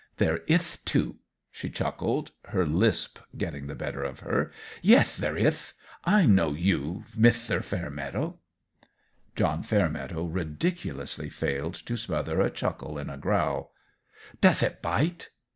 "There ith, too," she chuckled, her lisp getting the better of her. "Yeth, there ith. I know you, Mithter Fairmeadow." John Fairmeadow ridiculously failed to smother a chuckle in a growl. "Doth it bite?"